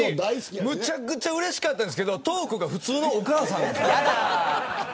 めちゃくちゃうれしかったんですけどトークが普通のお母さん。